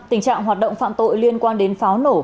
tình trạng hoạt động phạm tội liên quan đến pháo nổ